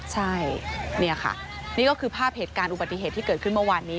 ใช่นี่ค่ะนี่ก็คือภาพเหตุการณ์อุบัติเหตุที่เกิดขึ้นเมื่อวานนี้